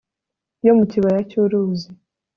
yo mu kibaya cy'uruzi